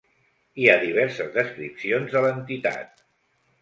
Hi ha diverses descripcions de l'entitat.